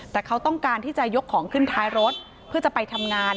แต่เขาต้องการที่จะยกของขึ้นท้ายรถเพื่อจะไปทำงาน